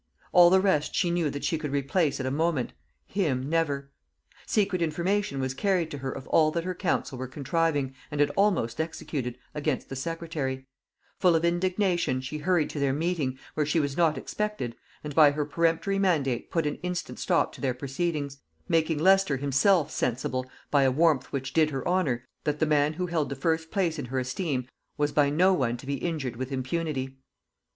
All the rest she knew that she could replace at a moment; him never. Secret information was carried to her of all that her council were contriving, and had almost executed, against the secretary: full of indignation she hurried to their meeting, where she was not expected, and by her peremptory mandate put an instant stop to their proceedings; making Leicester himself sensible, by a warmth which did her honor, that the man who held the first place in her esteem was by no one to be injured with impunity.